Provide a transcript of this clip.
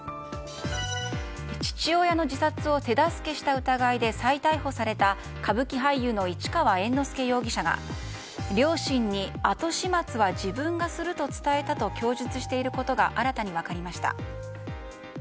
父親の自殺を手助けした疑いで再逮捕された歌舞伎俳優の市川猿之助容疑者が両親に後始末は自分がすると伝えたと供述していることが新たに分かりました。